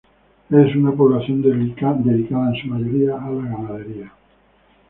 Es una población dedicada en su mayoría a la ganadería.